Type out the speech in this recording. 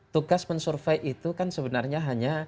tugas mensurvey itu kan sebenarnya hanya